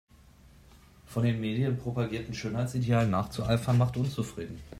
Von den Medien propagierten Schönheitsidealen nachzueifern macht unzufrieden.